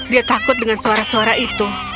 dia takut dengan suara suara itu